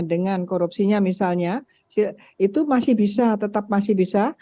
dengan korupsinya misalnya itu masih bisa tetap masih bisa